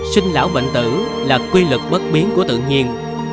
sinh lão bệnh tử là quy lực bất biến của tự nhiên